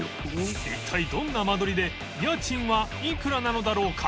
祕貘どんな間取りで家賃はいくらなのだろうか磴